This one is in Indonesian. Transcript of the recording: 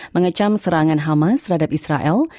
mengecam serangan hamas terhadap israel